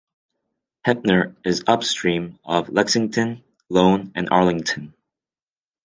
Heppner is upstream of Lexington, Ione, and Arlington.